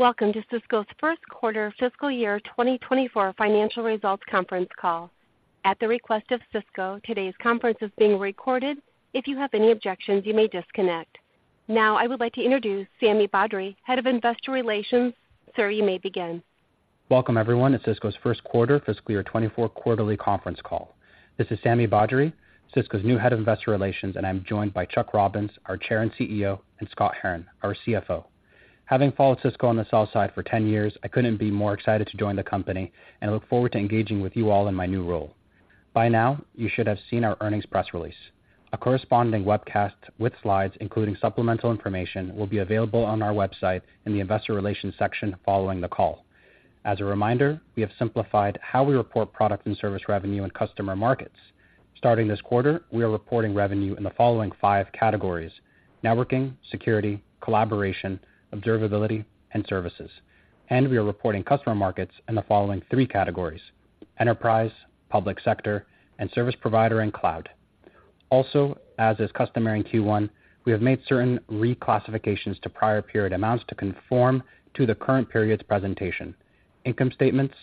Welcome to Cisco's first quarter fiscal year 2024 financial results conference call. At the request of Cisco, today's conference is being recorded. If you have any objections, you may disconnect. Now, I would like to introduce Sami Badri, Head of Investor Relations. Sir, you may begin. Welcome, everyone, to Cisco's first quarter fiscal year 2024 quarterly conference call. This is Sami Badri, Cisco's new Head of Investor Relations, and I'm joined by Chuck Robbins, our Chair and CEO, and Scott Herren, our CFO. Having followed Cisco on the sell side for 10 years, I couldn't be more excited to join the company, and I look forward to engaging with you all in my new role. By now, you should have seen our earnings press release. A corresponding webcast with slides, including supplemental information, will be available on our website in the Investor Relations section following the call. As a reminder, we have simplified how we report product and service revenue in customer markets. Starting this quarter, we are reporting revenue in the following five categories: networking, security, collaboration, observability, and services. We are reporting customer markets in the following three categories: enterprise, public sector, and service provider and cloud. Also, as is customary in Q1, we have made certain reclassifications to prior period amounts to conform to the current period's presentation. Income statements,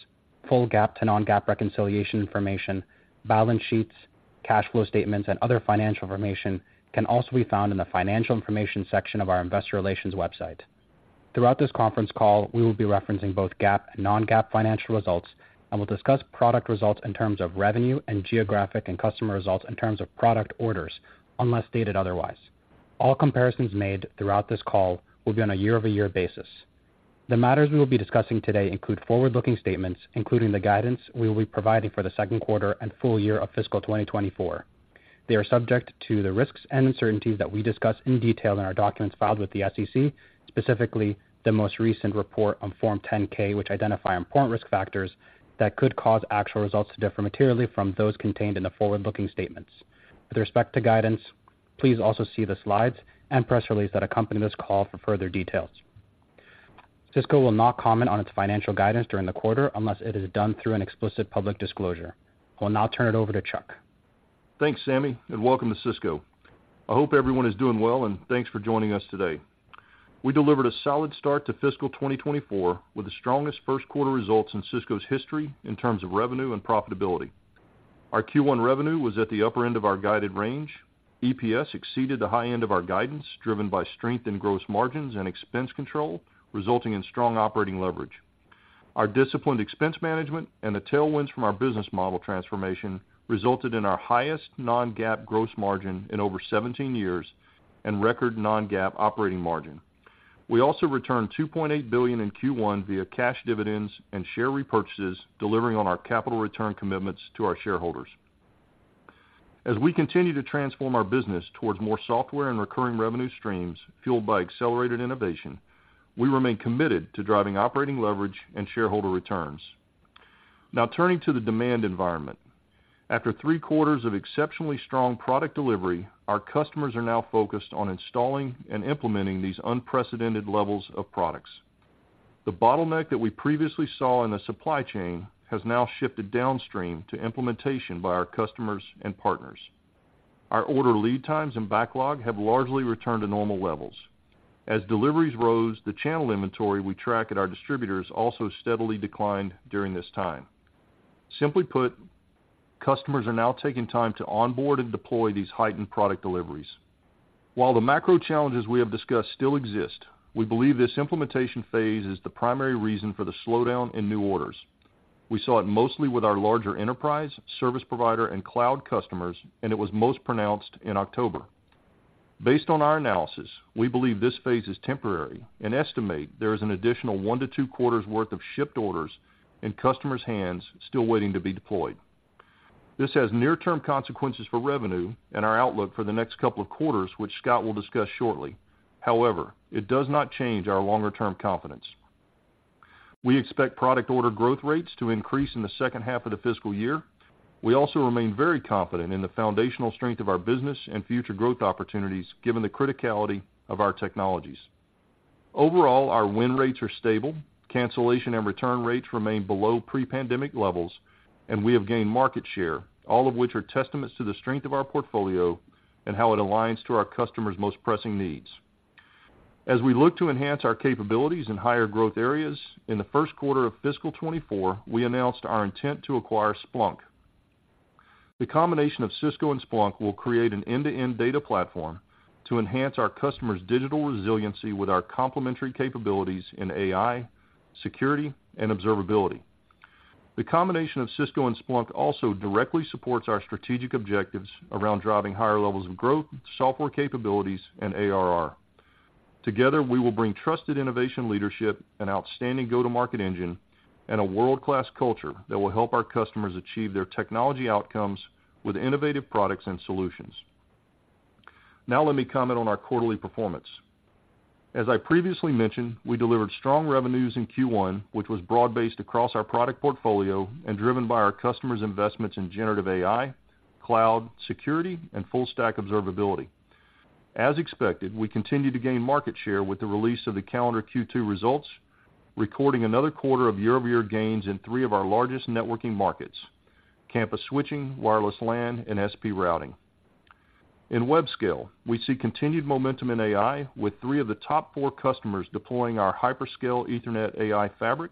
full GAAP to non-GAAP reconciliation information, balance sheets, cash flow statements, and other financial information can also be found in the Financial Information section of our Investor Relations website. Throughout this conference call, we will be referencing both GAAP and non-GAAP financial results, and we'll discuss product results in terms of revenue and geographic and customer results in terms of product orders, unless stated otherwise. All comparisons made throughout this call will be on a year-over-year basis. The matters we will be discussing today include forward-looking statements, including the guidance we will be providing for the second quarter and full year of fiscal 2024. They are subject to the risks and uncertainties that we discuss in detail in our documents filed with the SEC, specifically the most recent report on Form 10-K, which identify important risk factors that could cause actual results to differ materially from those contained in the forward-looking statements. With respect to guidance, please also see the slides and press release that accompany this call for further details. Cisco will not comment on its financial guidance during the quarter, unless it is done through an explicit public disclosure. I will now turn it over to Chuck. Thanks, Sami, and welcome to Cisco. I hope everyone is doing well, and thanks for joining us today. We delivered a solid start to fiscal 2024, with the strongest first quarter results in Cisco's history in terms of revenue and profitability. Our Q1 revenue was at the upper end of our guided range. EPS exceeded the high end of our guidance, driven by strength in gross margins and expense control, resulting in strong operating leverage. Our disciplined expense management and the tailwinds from our business model transformation resulted in our highest non-GAAP gross margin in over 17 years and record non-GAAP operating margin. We also returned $2.8 billion in Q1 via cash dividends and share repurchases, delivering on our capital return commitments to our shareholders. As we continue to transform our business towards more software and recurring revenue streams fueled by accelerated innovation, we remain committed to driving operating leverage and shareholder returns. Now, turning to the demand environment. After three quarters of exceptionally strong product delivery, our customers are now focused on installing and implementing these unprecedented levels of products. The bottleneck that we previously saw in the supply chain has now shifted downstream to implementation by our customers and partners. Our order lead times and backlog have largely returned to normal levels. As deliveries rose, the channel inventory we track at our distributors also steadily declined during this time. Simply put, customers are now taking time to onboard and deploy these heightened product deliveries. While the macro challenges we have discussed still exist, we believe this implementation phase is the primary reason for the slowdown in new orders. We saw it mostly with our larger enterprise, service provider, and cloud customers, and it was most pronounced in October. Based on our analysis, we believe this phase is temporary and estimate there is an additional one-two quarters worth of shipped orders in customers' hands still waiting to be deployed. This has near-term consequences for revenue and our outlook for the next couple of quarters, which Scott will discuss shortly. However, it does not change our longer-term confidence. We expect product order growth rates to increase in the second half of the fiscal year. We also remain very confident in the foundational strength of our business and future growth opportunities, given the criticality of our technologies. Overall, our win rates are stable, cancellation and return rates remain below pre-pandemic levels, and we have gained market share, all of which are testaments to the strength of our portfolio and how it aligns to our customers' most pressing needs. As we look to enhance our capabilities in higher growth areas, in the first quarter of fiscal 2024, we announced our intent to acquire Splunk. The combination of Cisco and Splunk will create an end-to-end data platform to enhance our customers' digital resiliency with our complementary capabilities in AI, security, and observability. The combination of Cisco and Splunk also directly supports our strategic objectives around driving higher levels of growth, software capabilities, and ARR. Together, we will bring trusted innovation leadership, an outstanding go-to-market engine, and a world-class culture that will help our customers achieve their technology outcomes with innovative products and solutions. Now let me comment on our quarterly performance. As I previously mentioned, we delivered strong revenues in Q1, which was broad-based across our product portfolio and driven by our customers' investments in generative AI, cloud, security, and full-stack observability. As expected, we continued to gain market share with the release of the calendar Q2 results, recording another quarter of year-over-year gains in three of our largest networking markets: campus switching, wireless LAN, and SP routing. In web scale, we see continued momentum in AI, with three of the top four customers deploying our hyperscale Ethernet AI fabric.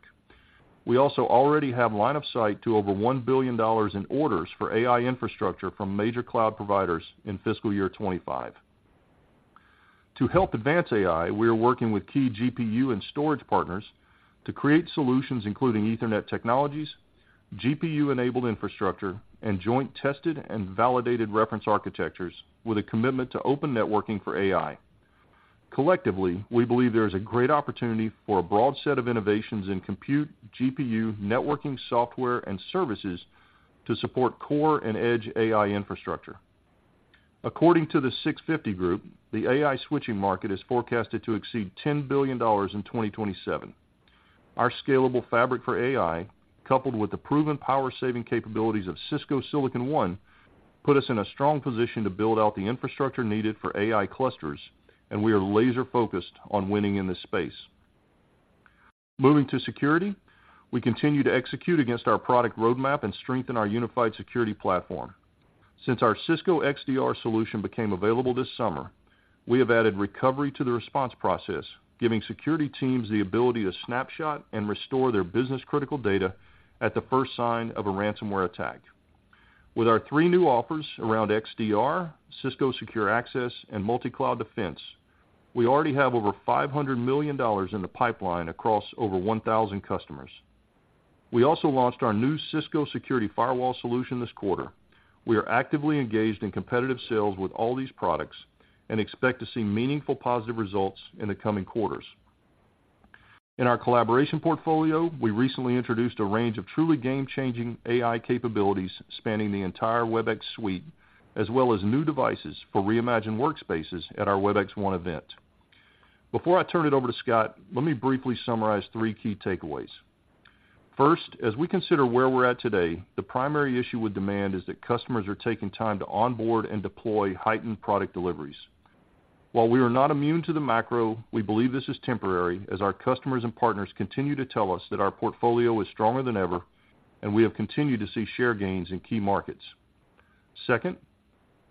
We also already have line of sight to over $1 billion in orders for AI infrastructure from major cloud providers in fiscal year 2025. To help advance AI, we are working with key GPU and storage partners to create solutions, including Ethernet technologies, GPU-enabled infrastructure, and joint tested and validated reference architectures, with a commitment to open networking for AI. Collectively, we believe there is a great opportunity for a broad set of innovations in compute, GPU, networking, software, and services to support core and edge AI infrastructure. According to 650 Group, the AI switching market is forecasted to exceed $10 billion in 2027. Our scalable fabric for AI, coupled with the proven power-saving capabilities of Cisco Silicon One, put us in a strong position to build out the infrastructure needed for AI clusters, and we are laser-focused on winning in this space. Moving to security, we continue to execute against our product roadmap and strengthen our unified security platform. Since our Cisco XDR solution became available this summer, we have added recovery to the response process, giving security teams the ability to snapshot and restore their business-critical data at the first sign of a ransomware attack. With our three new offers around XDR, Cisco Secure Access, and Multicloud Defense, we already have over $500 million in the pipeline across over 1,000 customers. We also launched our new Cisco Security Firewall solution this quarter. We are actively engaged in competitive sales with all these products and expect to see meaningful positive results in the coming quarters. In our collaboration portfolio, we recently introduced a range of truly game-changing AI capabilities spanning the entire Webex suite, as well as new devices for reimagined workspaces at our Webex One event. Before I turn it over to Scott, let me briefly summarize three key takeaways. First, as we consider where we're at today, the primary issue with demand is that customers are taking time to onboard and deploy heightened product deliveries. While we are not immune to the macro, we believe this is temporary, as our customers and partners continue to tell us that our portfolio is stronger than ever, and we have continued to see share gains in key markets. Second,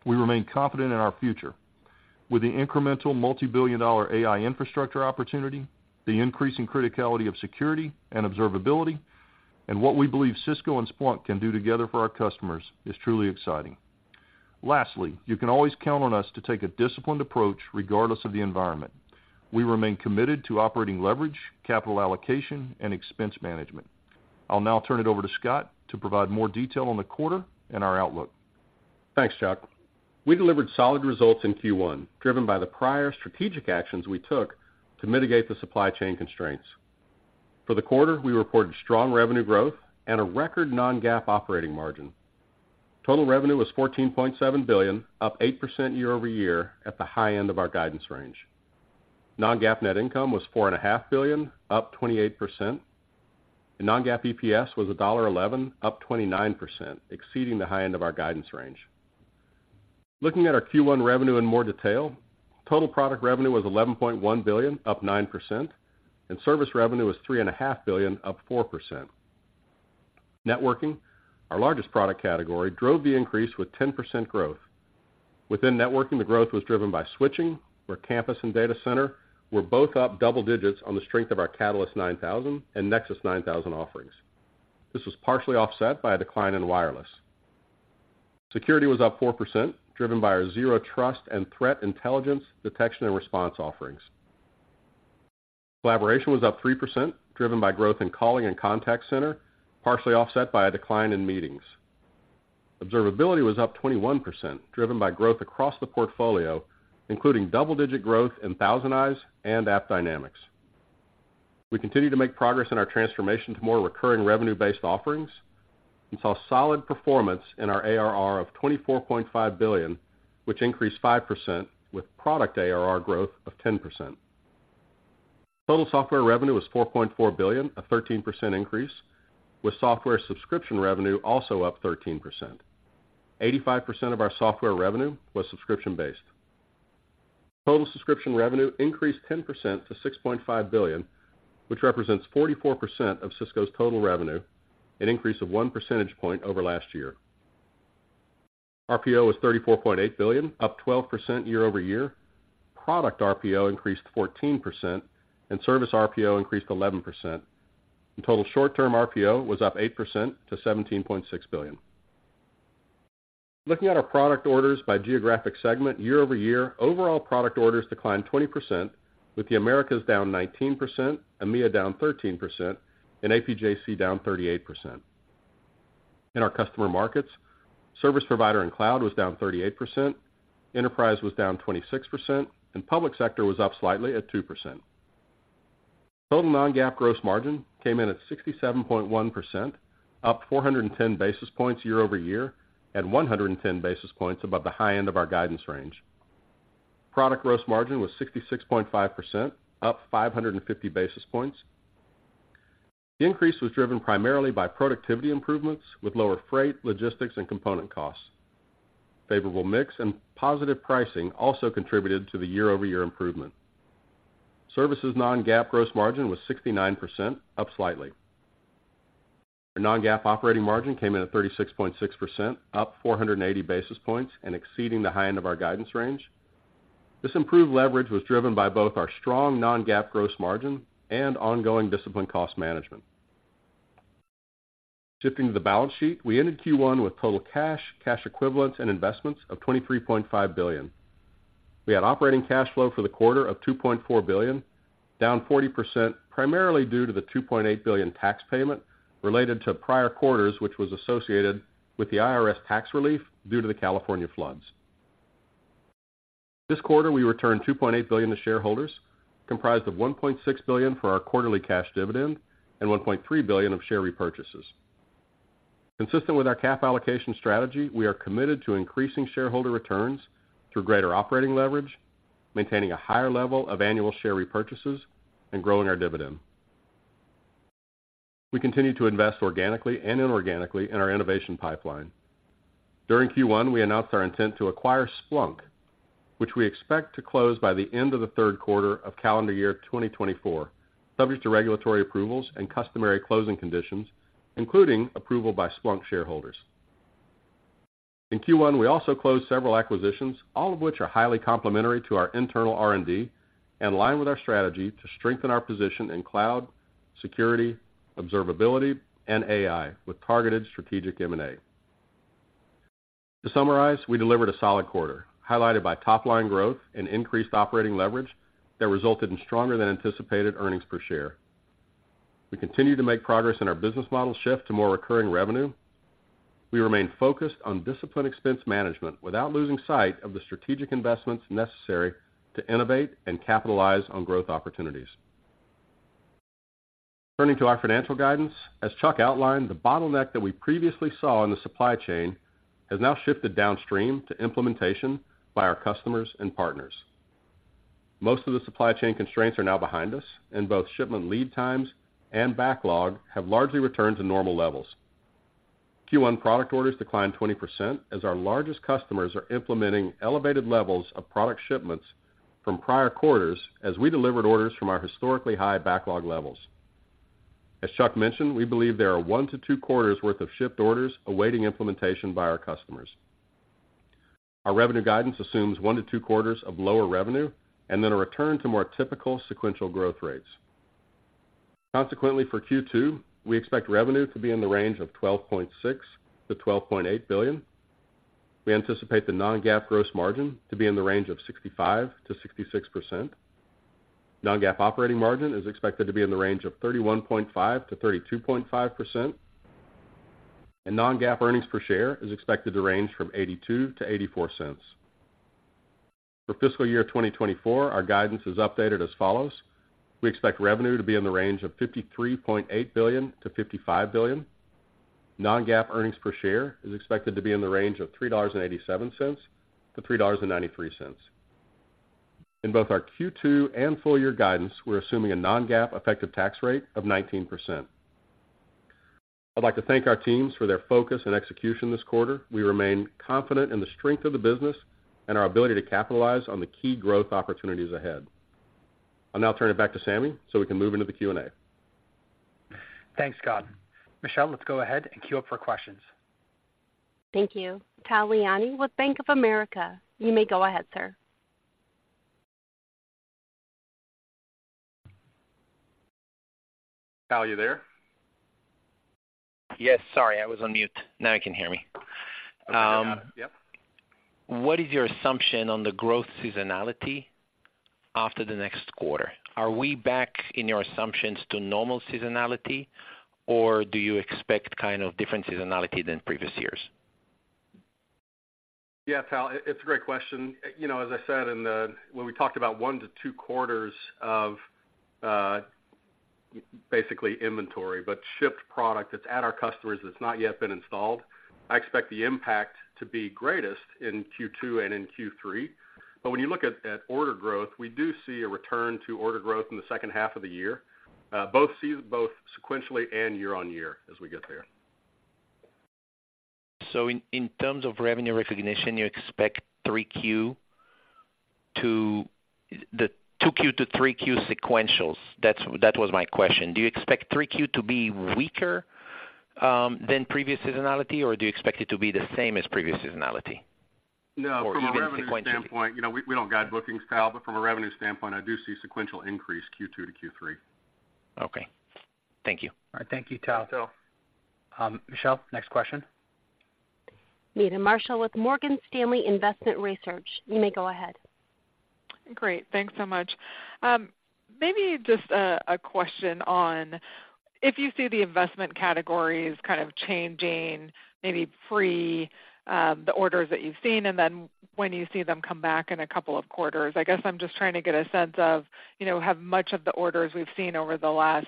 we remain confident in our future. With the incremental multibillion-dollar AI infrastructure opportunity, the increasing criticality of security and observability, and what we believe Cisco and Splunk can do together for our customers is truly exciting. Lastly, you can always count on us to take a disciplined approach, regardless of the environment. We remain committed to operating leverage, capital allocation, and expense management. I'll now turn it over to Scott to provide more detail on the quarter and our outlook. Thanks, Chuck. We delivered solid results in Q1, driven by the prior strategic actions we took to mitigate the supply chain constraints. For the quarter, we reported strong revenue growth and a record non-GAAP operating margin. Total revenue was $14.7 billion, up 8% year over year, at the high end of our guidance range. Non-GAAP net income was $4.5 billion, up 28%, and non-GAAP EPS was $1.11, up 29%, exceeding the high end of our guidance range. Looking at our Q1 revenue in more detail, total product revenue was $11.1 billion, up 9%, and service revenue was $3.5 billion, up 4%. Networking, our largest product category, drove the increase with 10% growth. Within networking, the growth was driven by switching, where campus and data center were both up double digits on the strength of our Catalyst 9000 and Nexus 9000 offerings. This was partially offset by a decline in wireless. Security was up 4%, driven by our Zero Trust and threat intelligence, detection, and response offerings. Collaboration was up 3%, driven by growth in calling and contact center, partially offset by a decline in meetings. Observability was up 21%, driven by growth across the portfolio, including double-digit growth in ThousandEyes and AppDynamics. We continue to make progress in our transformation to more recurring revenue-based offerings and saw solid performance in our ARR of $24.5 billion, which increased 5%, with product ARR growth of 10%. Total software revenue was $4.4 billion, a 13% increase, with software subscription revenue also up 13%. 85% of our software revenue was subscription-based. Total subscription revenue increased 10% to $6.5 billion, which represents 44% of Cisco's total revenue, an increase of 1 percentage point over last year. RPO was $34.8 billion, up 12% year-over-year. Product RPO increased 14%, and service RPO increased 11%. And total short-term RPO was up 8% to $17.6 billion. Looking at our product orders by geographic segment year-over-year, overall product orders declined 20%, with the Americas down 19%, EMEA down 13%, and APJC down 38%. In our customer markets, service provider and cloud was down 38%, enterprise was down 26%, and public sector was up slightly at 2%. Total non-GAAP gross margin came in at 67.1%, up 410 basis points year-over-year, and 110 basis points above the high end of our guidance range. Product gross margin was 66.5%, up 550 basis points. The increase was driven primarily by productivity improvements with lower freight, logistics, and component costs. Favorable mix and positive pricing also contributed to the year-over-year improvement. Services non-GAAP gross margin was 69%, up slightly. Our non-GAAP operating margin came in at 36.6%, up 480 basis points, and exceeding the high end of our guidance range. This improved leverage was driven by both our strong non-GAAP gross margin and ongoing disciplined cost management. Shifting to the balance sheet, we ended Q1 with total cash, cash equivalents and investments of $23.5 billion. We had operating cash flow for the quarter of $2.4 billion, down 40%, primarily due to the $2.8 billion tax payment related to prior quarters, which was associated with the IRS tax relief due to the California floods. This quarter, we returned $2.8 billion to shareholders, comprised of $1.6 billion for our quarterly cash dividend and $1.3 billion of share repurchases. Consistent with our capital allocation strategy, we are committed to increasing shareholder returns through greater operating leverage, maintaining a higher level of annual share repurchases, and growing our dividend. We continue to invest organically and inorganically in our innovation pipeline. During Q1, we announced our intent to acquire Splunk, which we expect to close by the end of the third quarter of calendar year 2024, subject to regulatory approvals and customary closing conditions, including approval by Splunk shareholders. In Q1, we also closed several acquisitions, all of which are highly complementary to our internal R&D and in line with our strategy to strengthen our position in cloud, security, observability, and AI with targeted strategic M&A. To summarize, we delivered a solid quarter, highlighted by top-line growth and increased operating leverage that resulted in stronger than anticipated earnings per share. We continue to make progress in our business model shift to more recurring revenue. We remain focused on disciplined expense management without losing sight of the strategic investments necessary to innovate and capitalize on growth opportunities. Turning to our financial guidance, as Chuck outlined, the bottleneck that we previously saw in the supply chain has now shifted downstream to implementation by our customers and partners. Most of the supply chain constraints are now behind us, and both shipment lead times and backlog have largely returned to normal levels. Q1 product orders declined 20% as our largest customers are implementing elevated levels of product shipments from prior quarters as we delivered orders from our historically high backlog levels. As Chuck mentioned, we believe there are one to two quarters worth of shipped orders awaiting implementation by our customers. Our revenue guidance assumes one to two quarters of lower revenue and then a return to more typical sequential growth rates. Consequently, for Q2, we expect revenue to be in the range of $12.6 billion-$12.8 billion. We anticipate the non-GAAP gross margin to be in the range of 65%-66%. Non-GAAP operating margin is expected to be in the range of 31.5%-32.5%, and non-GAAP earnings per share is expected to range from $0.82-$0.84. For fiscal year 2024, our guidance is updated as follows: We expect revenue to be in the range of $53.8 billion-$55 billion. Non-GAAP earnings per share is expected to be in the range of $3.87-$3.93. In both our Q2 and full year guidance, we're assuming a non-GAAP effective tax rate of 19%. I'd like to thank our teams for their focus and execution this quarter. We remain confident in the strength of the business and our ability to capitalize on the key growth opportunities ahead. I'll now turn it back to Sami, so we can move into the Q&A. Thanks, Scott. Michelle, let's go ahead and queue up for questions. Thank you. Tal Liani with Bank of America, you may go ahead, sir. Tal, are you there? Yes, sorry, I was on mute. Now you can hear me. Okay, got it. Yep. What is your assumption on the growth seasonality after the next quarter? Are we back in your assumptions to normal seasonality, or do you expect kind of different seasonality than previous years? Yeah, Tal, it's a great question. You know, as I said in the, when we talked about 1-2 quarters of basically inventory, but shipped product that's at our customers that's not yet been installed, I expect the impact to be greatest in Q2 and in Q3. But when you look at order growth, we do see a return to order growth in the second half of the year, both sequentially and year-on-year as we get there. So in terms of revenue recognition, you expect Q3 tothe Q2-Q3 sequentials. That was my question. Do you expect Q3 to be weaker than previous seasonality, or do you expect it to be the same as previous seasonality or even sequentially? No, from a revenue standpoint, you know, we don't guide bookings, Tal, but from a revenue standpoint, I do see sequential increase Q2-Q3. Okay. Thank you. All right. Thank you, Tal. Thanks, Tal. Michelle, next question. Meta Marshall with Morgan Stanley Investment Research. You may go ahead. Great. Thanks so much. Maybe just a question on if you see the investment categories kind of changing, maybe pre, the orders that you've seen, and then when do you see them come back in a couple of quarters? I guess I'm just trying to get a sense of, you know, how much of the orders we've seen over the last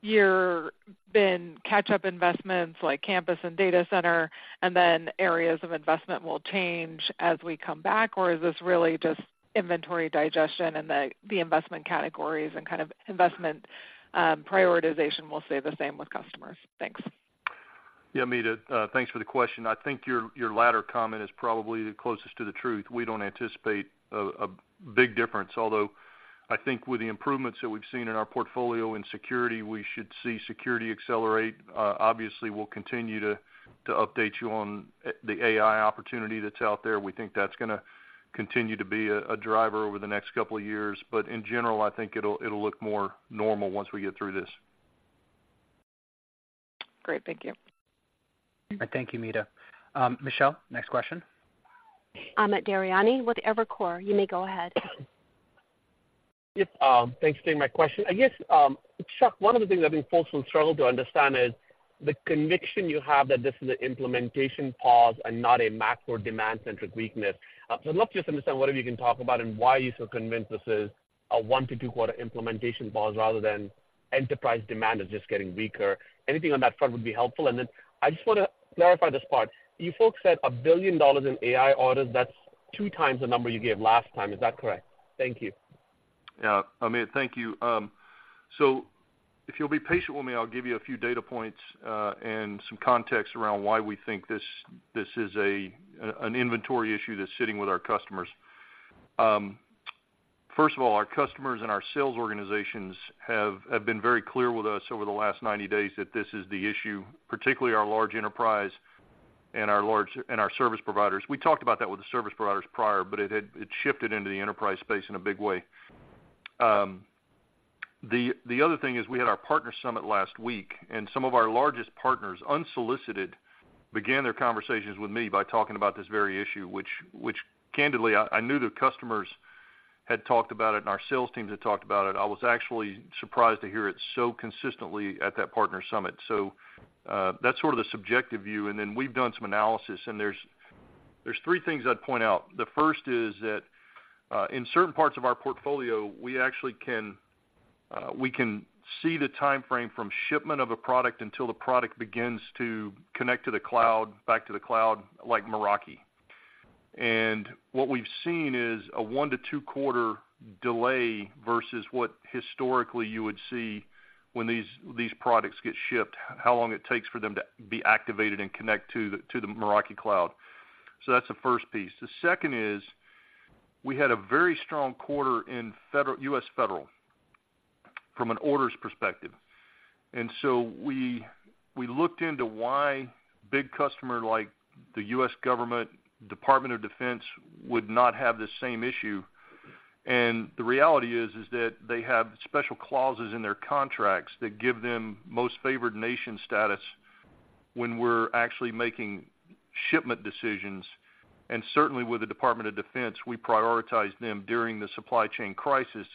year been catch-up investments like campus and data center, and then areas of investment will change as we come back? Or is this really just inventory digestion and the investment categories and kind of investment prioritization will stay the same with customers? Thanks. ... Yeah, Meta, thanks for the question. I think your, your latter comment is probably the closest to the truth. We don't anticipate a, a big difference, although I think with the improvements that we've seen in our portfolio in security, we should see security accelerate. Obviously, we'll continue to, to update you on, the AI opportunity that's out there. We think that's going to continue to be a, a driver over the next couple of years, but in general, I think it'll, it'll look more normal once we get through this. Great. Thank you. Thank you, Meta. Michelle, next question. Amit Daryanani with Evercore. You may go ahead. Yep, thanks for taking my question. I guess, Chuck, one of the things I think folks will struggle to understand is the conviction you have that this is an implementation pause and not a macro demand-centric weakness. So I'd love to just understand whatever you can talk about and why you're so convinced this is a 1-2-quarter implementation pause rather than enterprise demand is just getting weaker. Anything on that front would be helpful. And then I just want to clarify this part. You folks said $1 billion in AI orders. That's 2 times the number you gave last time. Is that correct? Thank you. Yeah, Amit, thank you. So if you'll be patient with me, I'll give you a few data points, and some context around why we think this is an inventory issue that's sitting with our customers. First of all, our customers and our sales organizations have been very clear with us over the last 90 days that this is the issue, particularly our large enterprise and our large and our service providers. We talked about that with the service providers prior, but it shifted into the enterprise space in a big way. The other thing is we had our partner summit last week, and some of our largest partners, unsolicited, began their conversations with me by talking about this very issue, which, candidly, I knew the customers had talked about it and our sales teams had talked about it. I was actually surprised to hear it so consistently at that partner summit. So, that's sort of the subjective view. And then we've done some analysis, and there's three things I'd point out. The first is that, in certain parts of our portfolio, we actually can, we can see the time frame from shipment of a product until the product begins to connect to the cloud, back to the cloud, like Meraki. What we've seen is a 1-2-quarter delay versus what historically you would see when these, these products get shipped, how long it takes for them to be activated and connect to the, to the Meraki cloud. That's the first piece. The second is, we had a very strong quarter in federal, U.S. federal from an orders perspective. And so we, we looked into why big customer like the U.S. government, Department of Defense, would not have the same issue. The reality is, is that they have special clauses in their contracts that give them most favored nation status when we're actually making shipment decisions. And certainly, with the Department of Defense, we prioritized them during the supply chain crisis,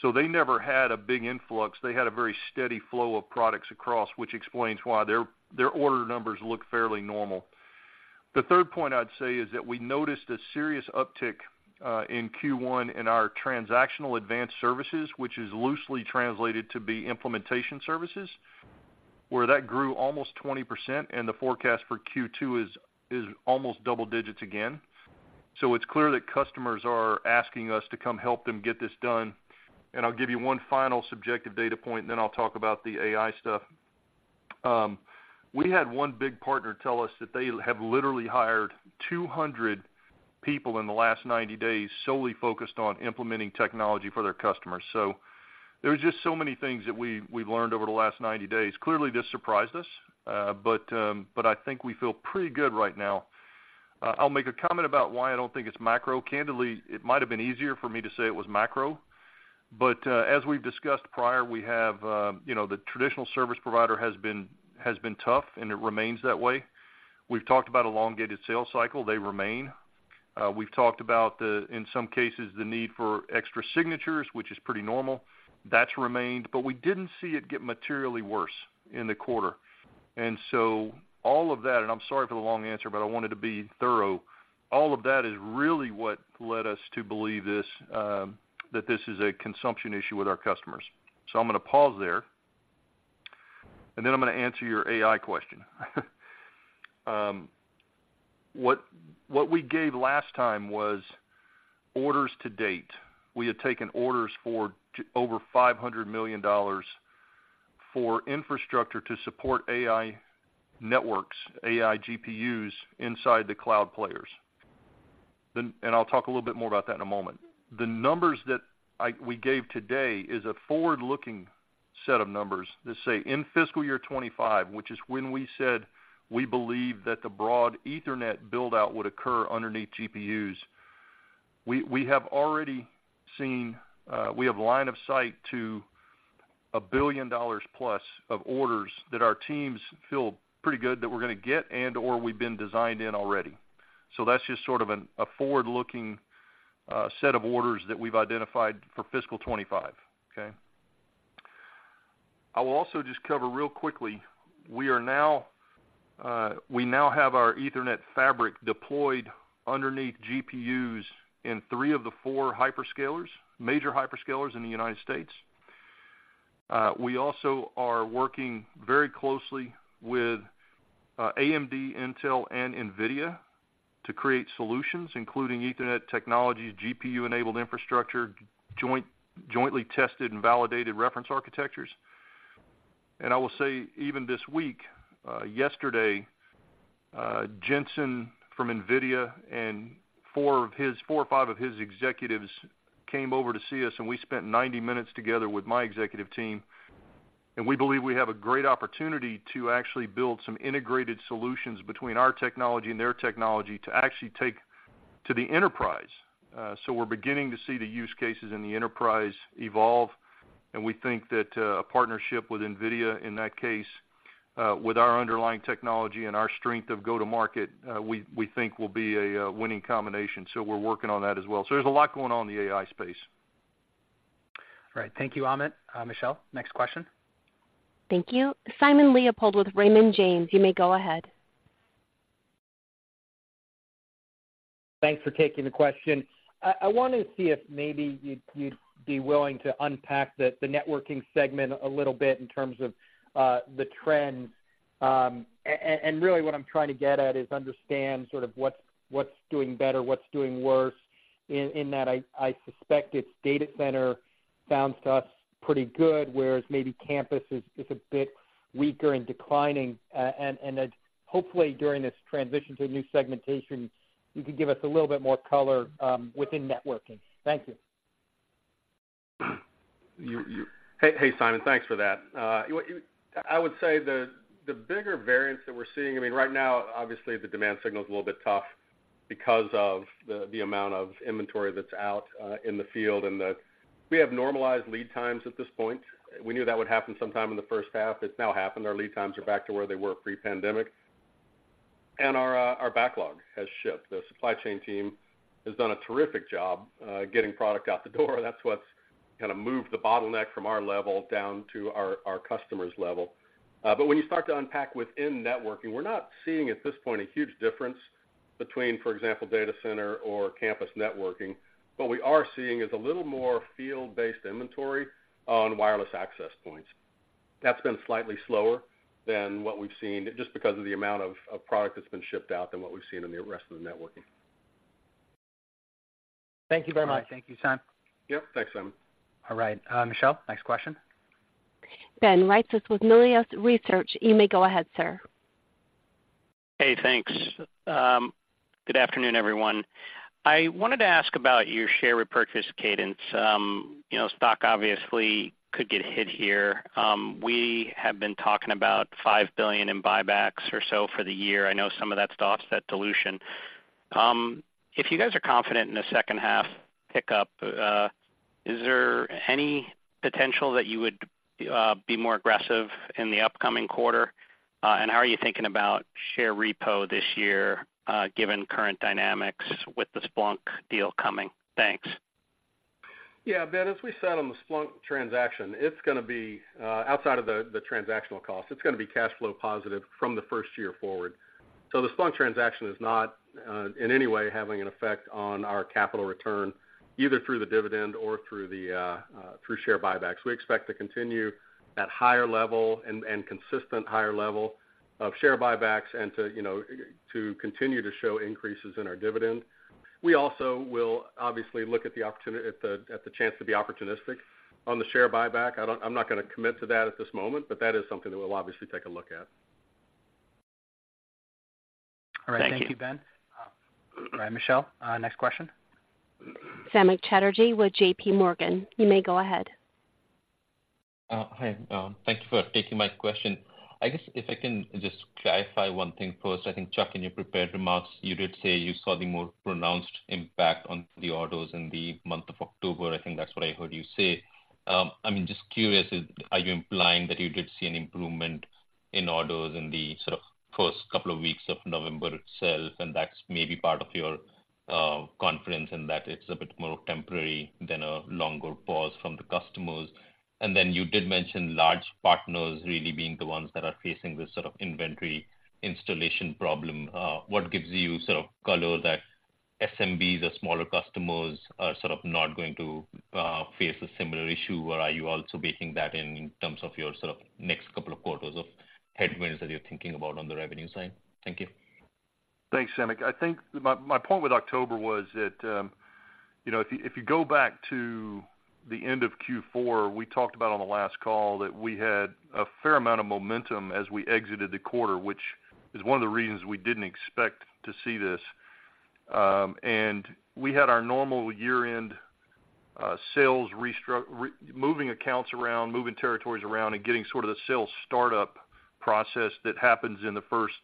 so they never had a big influx. They had a very steady flow of products across, which explains why their, their order numbers look fairly normal. The third point I'd say is that we noticed a serious uptick in Q1 in our transactional advanced services, which is loosely translated to be implementation services, where that grew almost 20%, and the forecast for Q2 is almost double digits again. So it's clear that customers are asking us to come help them get this done. And I'll give you one final subjective data point, and then I'll talk about the AI stuff. We had one big partner tell us that they have literally hired 200 people in the last 90 days, solely focused on implementing technology for their customers. So there are just so many things that we, we've learned over the last 90 days. Clearly, this surprised us, but I think we feel pretty good right now. I'll make a comment about why I don't think it's macro. Candidly, it might have been easier for me to say it was macro, but, as we've discussed prior, we have, you know, the traditional service provider has been, has been tough, and it remains that way. We've talked about elongated sales cycle. They remain. We've talked about the, in some cases, the need for extra signatures, which is pretty normal. That's remained, but we didn't see it get materially worse in the quarter. And so all of that, and I'm sorry for the long answer, but I wanted to be thorough. All of that is really what led us to believe this, that this is a consumption issue with our customers. So I'm going to pause there, and then I'm going to answer your AI question. What, what we gave last time was orders to date. We had taken orders for over $500 million for infrastructure to support AI networks, AI GPUs, inside the cloud players. Then... And I'll talk a little bit more about that in a moment. The numbers that we gave today is a forward-looking set of numbers that say in fiscal year 2025, which is when we said we believe that the broad Ethernet build-out would occur underneath GPUs, we, we have already seen, we have line of sight to $1 billion plus of orders that our teams feel pretty good that we're going to get and/or we've been designed in already. So that's just sort of a forward-looking set of orders that we've identified for fiscal 2025, okay? I will also just cover real quickly, we are now, we now have our Ethernet fabric deployed underneath GPUs in three of the four hyperscalers, major hyperscalers in the United States. We also are working very closely with AMD, Intel, and NVIDIA... to create solutions, including ethernet technology, GPU-enabled infrastructure, joint, jointly tested and validated reference architectures. And I will say even this week, yesterday, Jensen from NVIDIA and four or five of his executives came over to see us, and we spent 90 minutes together with my executive team. And we believe we have a great opportunity to actually build some integrated solutions between our technology and their technology to actually take to the enterprise. So we're beginning to see the use cases in the enterprise evolve, and we think that a partnership with NVIDIA, in that case, with our underlying technology and our strength of go-to-market, we think will be a winning combination. So we're working on that as well. So there's a lot going on in the AI space. All right. Thank you, Amit. Michelle, next question. Thank you. Simon Leopold with Raymond James, you may go ahead. Thanks for taking the question. I wanted to see if maybe you'd be willing to unpack the networking segment a little bit in terms of the trends. And really what I'm trying to get at is understand sort of what's doing better, what's doing worse. In that, I suspect it's data center sounds to us pretty good, whereas maybe campus is a bit weaker and declining. And that hopefully, during this transition to a new segmentation, you can give us a little bit more color within networking. Thank you. You, you- Hey, Simon, thanks for that. You, I would say the bigger variance that we're seeing, I mean, right now, obviously, the demand signal is a little bit tough because of the amount of inventory that's out in the field, and the... We have normalized lead times at this point. We knew that would happen sometime in the first half. It's now happened. Our lead times are back to where they were pre-pandemic, and our backlog has shipped. The supply chain team has done a terrific job getting product out the door. That's what's kind of moved the bottleneck from our level down to our customers' level. But when you start to unpack within networking, we're not seeing, at this point, a huge difference between, for example, data center or campus networking. What we are seeing is a little more field-based inventory on wireless access points. That's been slightly slower than what we've seen, just because of the amount of product that's been shipped out than what we've seen in the rest of the networking. Thank you very much. All right. Thank you, Simon. Yep, thanks, Simon. All right. Michelle, next question. Ben Reitzes with Melius Research. You may go ahead, sir. Hey, thanks. Good afternoon, everyone. I wanted to ask about your share repurchase cadence. You know, stock obviously could get hit here. We have been talking about $5 billion in buybacks or so for the year. I know some of that's to offset dilution. If you guys are confident in the second half pickup, is there any potential that you would be more aggressive in the upcoming quarter? And how are you thinking about share repo this year, given current dynamics with the Splunk deal coming? Thanks. Yeah, Ben, as we said on the Splunk transaction, it's going to be outside of the transactional cost, it's going to be cash flow positive from the first year forward. So the Splunk transaction is not in any way having an effect on our capital return, either through the dividend or through share buybacks. We expect to continue at higher level and consistent higher level of share buybacks and to, you know, to continue to show increases in our dividend. We also will obviously look at the opportunity at the chance to be opportunistic on the share buyback. I don't I'm not going to commit to that at this moment, but that is something that we'll obviously take a look at. Thank you. All right. Thank you, Ben. All right, Michelle, next question. Samik Chatterjee with J.P. Morgan. You may go ahead. Hi, thank you for taking my question. I guess if I can just clarify one thing first. I think, Chuck, in your prepared remarks, you did say you saw the more pronounced impact on the orders in the month of October. I think that's what I heard you say. I mean, just curious, are you implying that you did see an improvement in orders in the sort of first couple of weeks of November itself, and that's maybe part of your confidence, and that it's a bit more temporary than a longer pause from the customers? And then you did mention large partners really being the ones that are facing this sort of inventory installation problem. What gives you sort of color that SMB, the smaller customers, are sort of not going to face a similar issue, or are you also baking that in in terms of your sort of next couple of quarters of headwinds that you're thinking about on the revenue side? Thank you. Thanks, Samik. I think my, my point with October was that, you know, if you, if you go back to the end of Q4, we talked about on the last call that we had a fair amount of momentum as we exited the quarter, which is one of the reasons we didn't expect to see this. And we had our normal year-end, sales moving accounts around, moving territories around, and getting sort of the sales startup process that happens in the first,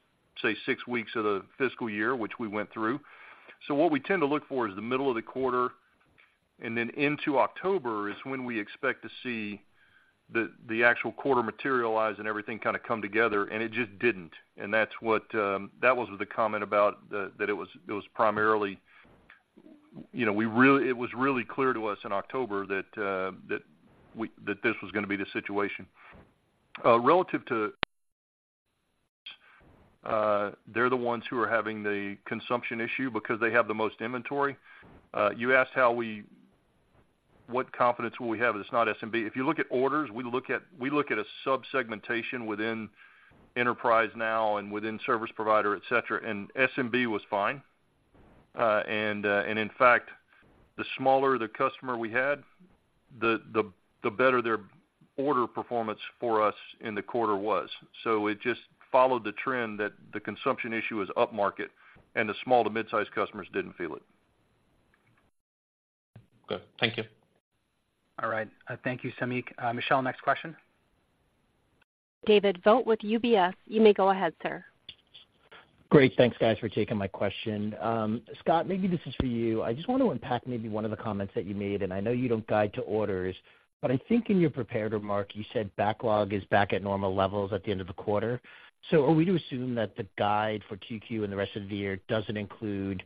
say, six weeks of the fiscal year, which we went through. So what we tend to look for is the middle of the quarter, and then into October is when we expect to see the actual quarter materialize and everything kind of come together, and it just didn't. And that's what, that was the comment about the... That it was. It was primarily, you know, we really, it was really clear to us in October that this was going to be the situation. Relative to, they're the ones who are having the consumption issue because they have the most inventory. You asked what confidence will we have that it's not SMB? If you look at orders, we look at, we look at a sub-segmentation within enterprise now and within service provider, et cetera, and SMB was fine. And in fact, the smaller the customer we had, the better their order performance for us in the quarter was. So it just followed the trend that the consumption issue is upmarket, and the small to mid-sized customers didn't feel it. Good. Thank you. All right. Thank you, Samik. Michelle, next question. David Vogt with UBS, you may go ahead, sir. Great. Thanks, guys, for taking my question. Scott, maybe this is for you. I just want to unpack maybe one of the comments that you made, and I know you don't guide to orders, but I think in your prepared remark, you said backlog is back at normal levels at the end of the quarter. So are we to assume that the guide for Q2 and the rest of the year doesn't include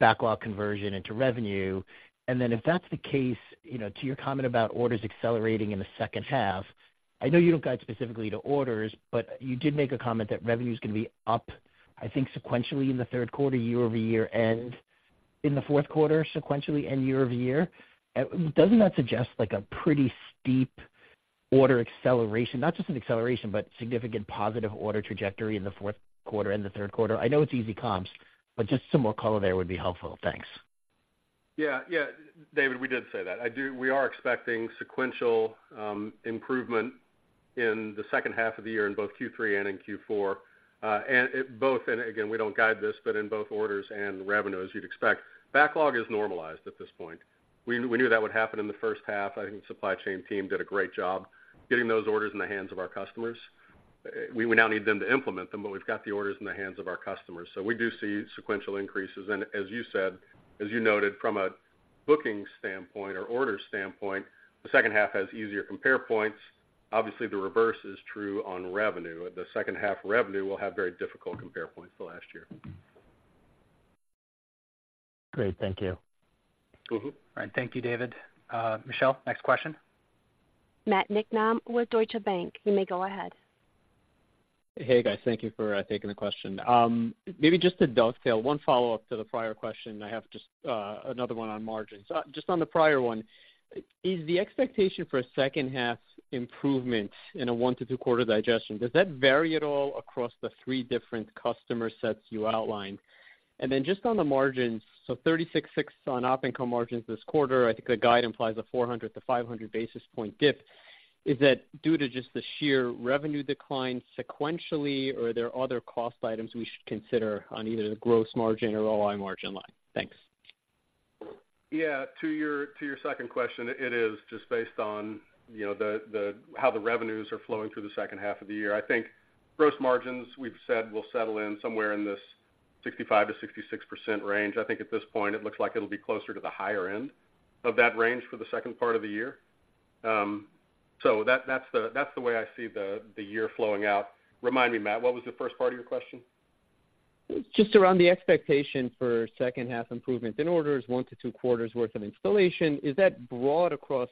backlog conversion into revenue? And then if that's the case, you know, to your comment about orders accelerating in the second half, I know you don't guide specifically to orders, but you did make a comment that revenue is going to be up, I think, sequentially in the third quarter, year-over-year, and in the fourth quarter, sequentially and year-over-year. Doesn't that suggest like a pretty steep order acceleration, not just an acceleration, but significant positive order trajectory in the fourth quarter and the third quarter? I know it's easy comps, but just some more color there would be helpful. Thanks. Yeah, yeah, David, we did say that. We are expecting sequential improvement in the second half of the year in both Q3 and in Q4. And it both, and again, we don't guide this, but in both orders and revenues, you'd expect. Backlog is normalized at this point. We knew that would happen in the first half. I think the supply chain team did a great job getting those orders in the hands of our customers. We would now need them to implement them, but we've got the orders in the hands of our customers. So we do see sequential increases. And as you said, as you noted from a booking standpoint or order standpoint, the second half has easier compare points. Obviously, the reverse is true on revenue. The second half revenue will have very difficult compare points the last year. Great. Thank you. Mm-hmm. All right. Thank you, David. Michelle, next question. Matt Niknam with Deutsche Bank. You may go ahead. Hey, guys. Thank you for taking the question. Maybe just to dovetail, one follow-up to the prior question. I have just another one on margins. Just on the prior one, is the expectation for a second half improvement in a one- to two-quarter digestion, does that vary at all across the three different customer sets you outlined? And then just on the margins, so 36.6 on op income margins this quarter, I think the guide implies a 400-500 basis point dip. Is that due to just the sheer revenue decline sequentially, or are there other cost items we should consider on either the gross margin or OI margin line? Thanks. Yeah, to your second question, it is just based on, you know, the how the revenues are flowing through the second half of the year. I think gross margins, we've said, will settle in somewhere in this 65%-66% range. I think at this point, it looks like it'll be closer to the higher end of that range for the second part of the year. So that's the way I see the year flowing out. Remind me, Matt, what was the first part of your question? Just around the expectation for second half improvement in orders, 1-2 quarters' worth of installation. Is that broad across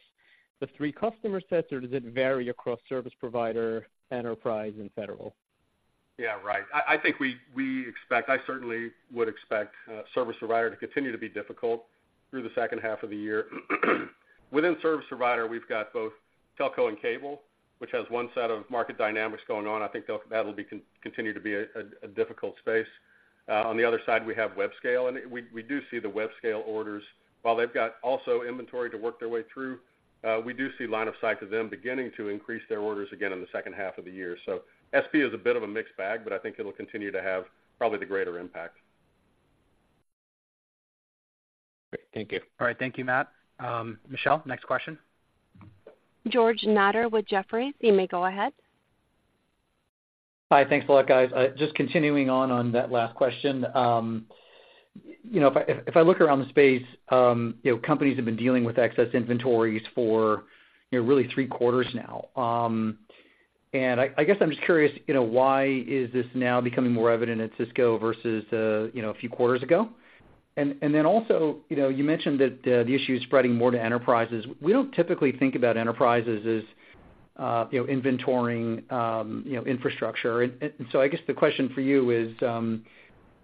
the three customer sets, or does it vary across service provider, enterprise, and federal? Yeah, right. I think we expect, I certainly would expect service provider to continue to be difficult through the second half of the year. Within service provider, we've got both telco and cable, which has one set of market dynamics going on. I think that'll continue to be a difficult space. On the other side, we have web scale, and we do see the web scale orders. While they've got also inventory to work their way through, we do see line of sight to them beginning to increase their orders again in the second half of the year. So SP is a bit of a mixed bag, but I think it'll continue to have probably the greater impact. Great. Thank you. All right. Thank you, Matt. Michelle, next question. George Notter with Jefferies. You may go ahead. Hi, thanks a lot, guys. Just continuing on, on that last question. You know, if I, if I look around the space, you know, companies have been dealing with excess inventories for, you know, really three quarters now. And I, I guess I'm just curious, you know, why is this now becoming more evident at Cisco versus, you know, a few quarters ago? And, and then also, you know, you mentioned that, the issue is spreading more to enterprises. We don't typically think about enterprises as, you know, inventorying, you know, infrastructure. And, and so I guess the question for you is,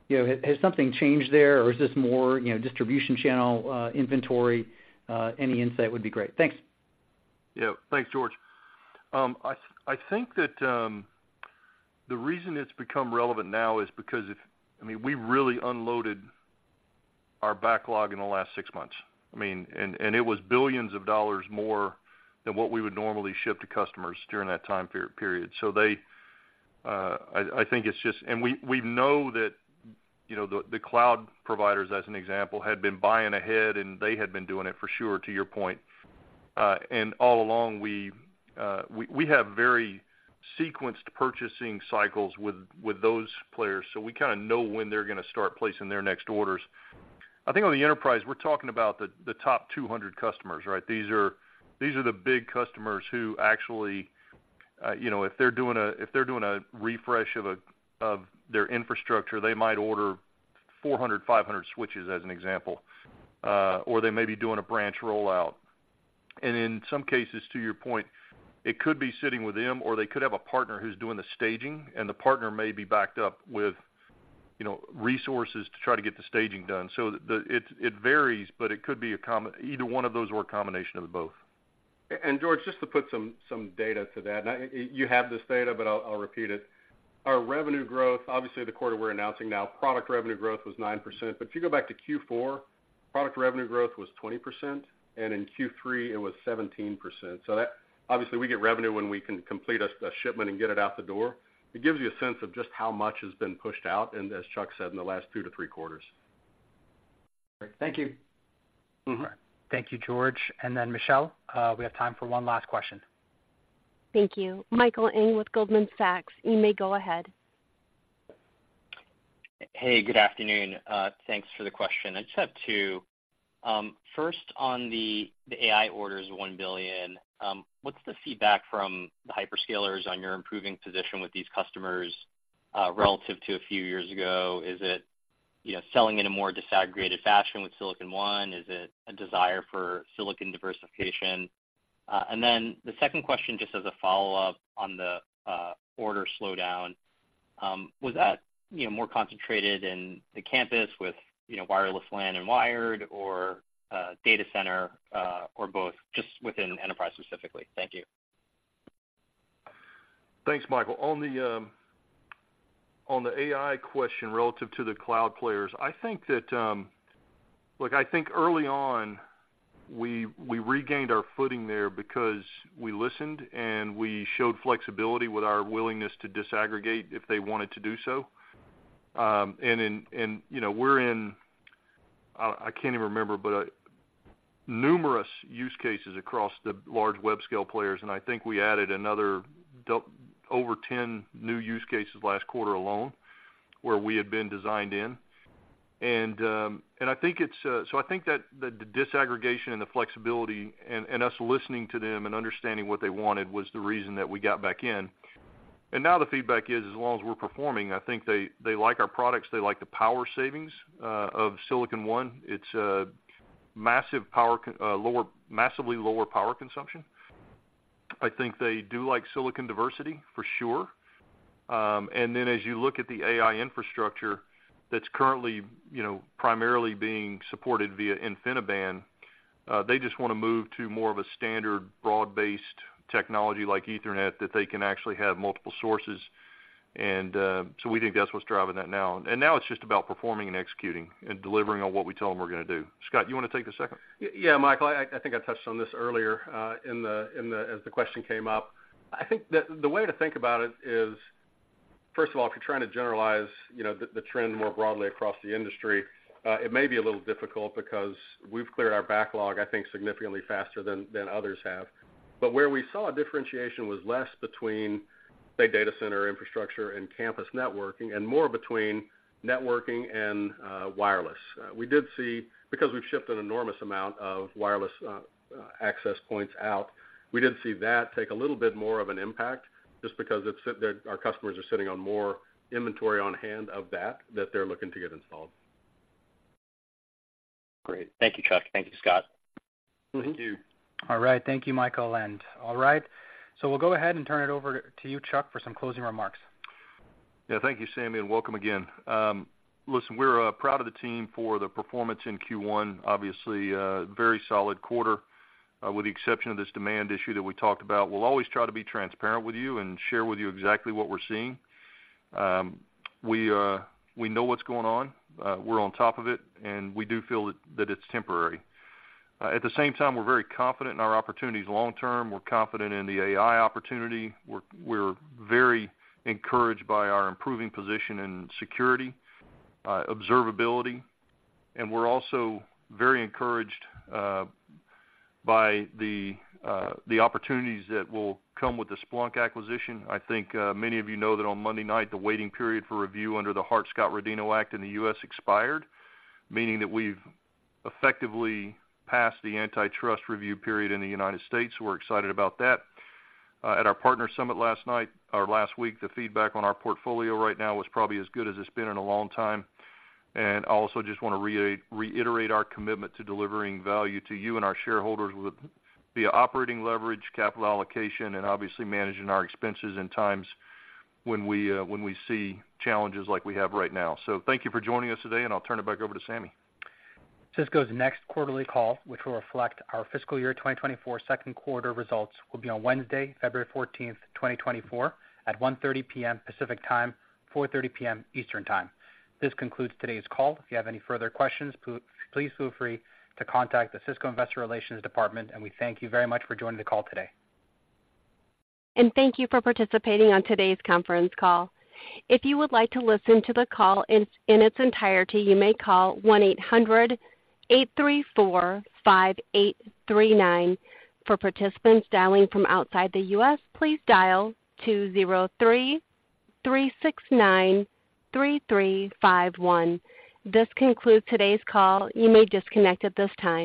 you know, has something changed there, or is this more, you know, distribution channel, inventory? Any insight would be great. Thanks. Yeah. Thanks, George. I think that the reason it's become relevant now is because, I mean, we really unloaded our backlog in the last six months. I mean, and it was $ billions more than what we would normally ship to customers during that period. So, I think it's just. And we know that, you know, the cloud providers, as an example, had been buying ahead, and they had been doing it for sure, to your point. And all along, we have very sequenced purchasing cycles with those players, so we kind of know when they're going to start placing their next orders. I think on the enterprise, we're talking about the top 200 customers, right? These are, these are the big customers who actually, you know, if they're doing a, if they're doing a refresh of a, of their infrastructure, they might order 400, 500 switches as an example, or they may be doing a branch rollout. And in some cases, to your point, it could be sitting with them, or they could have a partner who's doing the staging, and the partner may be backed up with... you know, resources to try to get the staging done. So the, it, it varies, but it could be a com-- either one of those or a combination of both. And George, just to put some data to that, and I, you have this data, but I'll repeat it. Our revenue growth, obviously, the quarter we're announcing now, product revenue growth was 9%. But if you go back to Q4, product revenue growth was 20%, and in Q3, it was 17%. So that, obviously, we get revenue when we can complete a shipment and get it out the door. It gives you a sense of just how much has been pushed out, and as Chuck said, in the last 2-3 quarters. Thank you. Mm-hmm. Thank you, George. And then Michelle, we have time for one last question. Thank you. Michael Ng with Goldman Sachs, you may go ahead. Hey, good afternoon. Thanks for the question. I just have two. First, on the AI orders, $1 billion, what's the feedback from the hyperscalers on your improving position with these customers relative to a few years ago? Is it, you know, selling in a more disaggregated fashion with Silicon One? Is it a desire for silicon diversification? And then the second question, just as a follow-up on the order slowdown, was that, you know, more concentrated in the campus with, you know, wireless LAN and wired, or data center, or both, just within enterprise specifically? Thank you. Thanks, Michael. On the AI question, relative to the cloud players, I think that... Look, I think early on, we regained our footing there because we listened and we showed flexibility with our willingness to disaggregate if they wanted to do so. And you know, we're in numerous use cases across the large web scale players, and I think we added another over 10 new use cases last quarter alone, where we had been designed in. And I think it's so I think that the disaggregation and the flexibility and us listening to them and understanding what they wanted was the reason that we got back in. And now the feedback is, as long as we're performing, I think they, they like our products, they like the power savings of Silicon One. It's a massive power, massively lower power consumption. I think they do like silicon diversity, for sure. And then as you look at the AI infrastructure that's currently, you know, primarily being supported via InfiniBand, they just wanna move to more of a standard, broad-based technology like Ethernet, that they can actually have multiple sources. And so we think that's what's driving that now. And now it's just about performing and executing and delivering on what we tell them we're gonna do. Scott, you wanna take the second? Yeah, Michael, I think I touched on this earlier, in the as the question came up. I think the way to think about it is, first of all, if you're trying to generalize, you know, the trend more broadly across the industry, it may be a little difficult because we've cleared our backlog, I think, significantly faster than others have. But where we saw a differentiation was less between, say, data center infrastructure and campus networking, and more between networking and wireless. We did see—because we've shipped an enormous amount of wireless access points out, we did see that take a little bit more of an impact, just because it's that our customers are sitting on more inventory on hand of that that they're looking to get installed. Great. Thank you, Chuck. Thank you, Scott. Mm-hmm. Thank you. All right. Thank you, Michael. All right, so we'll go ahead and turn it over to you, Chuck, for some closing remarks. Yeah, thank you, Sami, and welcome again. Listen, we're proud of the team for the performance in Q1. Obviously, a very solid quarter, with the exception of this demand issue that we talked about. We'll always try to be transparent with you and share with you exactly what we're seeing. We know what's going on, we're on top of it, and we do feel that it's temporary. At the same time, we're very confident in our opportunities long term. We're confident in the AI opportunity. We're very encouraged by our improving position in security, observability, and we're also very encouraged by the opportunities that will come with the Splunk acquisition. I think, many of you know that on Monday night, the waiting period for review under the Hart-Scott-Rodino Act in the U.S. expired, meaning that we've effectively passed the antitrust review period in the United States. We're excited about that. At our partner summit last night or last week, the feedback on our portfolio right now was probably as good as it's been in a long time. And I also just wanna reiterate our commitment to delivering value to you and our shareholders with via operating leverage, capital allocation, and obviously managing our expenses in times when we, when we see challenges like we have right now. So thank you for joining us today, and I'll turn it back over to Sami. Cisco's next quarterly call, which will reflect our fiscal year 2024 second quarter results, will be on Wednesday, February 14th, 2024, at 1:30 P.M. Pacific Time, 4:30 P.M. Eastern Time. This concludes today's call. If you have any further questions, please feel free to contact the Cisco Investor Relations department, and we thank you very much for joining the call today. Thank you for participating on today's conference call. If you would like to listen to the call in its entirety, you may call 1-800-834-5839. For participants dialing from outside the U.S., please dial 203-369-3351. This concludes today's call. You may disconnect at this time.